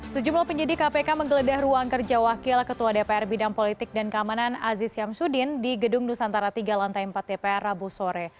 sejumlah penyidik kpk menggeledah ruang kerja wakil ketua dpr bidang politik dan keamanan aziz syamsuddin di gedung nusantara tiga lantai empat dpr rabu sore